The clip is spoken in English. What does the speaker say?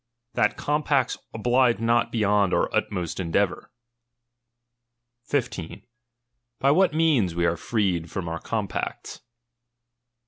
That compacts oblige not beyond our utmost endeavour. 15. By what means we are freed from our compacts.